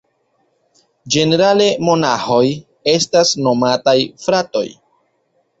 Ĝenerale monaĥoj estas nomataj "fratoj".